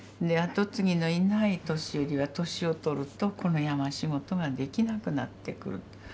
跡継ぎのいない年寄りは年を取るとこの山仕事ができなくなってくる。